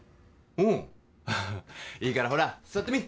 うんいいからほら座ってみ